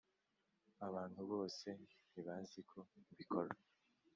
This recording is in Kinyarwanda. Abantu bose ntibazi ko mbikora